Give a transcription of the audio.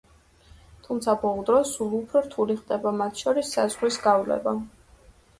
თუმცა ბოლო დროს სულ უფრო რთული ხდება მათ შორის საზღვრის გავლება.